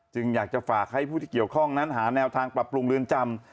อยากจะฝากให้ผู้ที่เกี่ยวข้องนั้นหาแนวทางปรับปรุงเรือนจำ